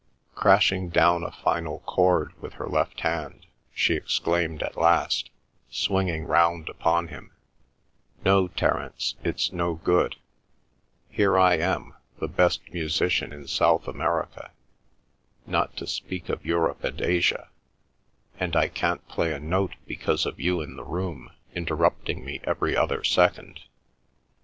Crashing down a final chord with her left hand, she exclaimed at last, swinging round upon him: "No, Terence, it's no good; here am I, the best musician in South America, not to speak of Europe and Asia, and I can't play a note because of you in the room interrupting me every other second."